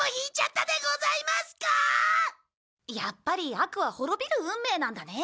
やっぱり悪は滅びる運命なんだね。